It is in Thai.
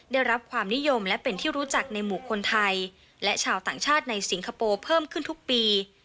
ได้รับความนิยมและเป็นที่รู้จักในหมู่คนไทยและชาวต่างชาติในสิงคโปร์เพิ่มขึ้นทุกปี